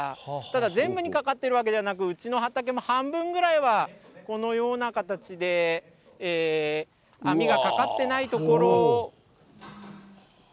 ただ、全部にかかっているわけではなく、うちの畑も半分ぐらいはこのような形で網がかかってないところ。